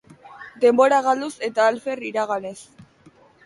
Denbora galduz eta alfer iraganez.